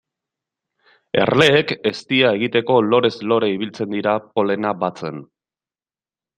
Erleek eztia egiteko lorez lore ibiltzen dira polena batzen.